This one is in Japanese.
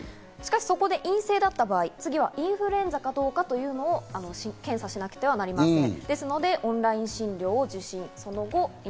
しかしそこで陰性だった場合、次はインフルエンザかどうかというの検査しなくてはなりません。